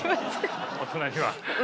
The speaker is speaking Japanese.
大人には。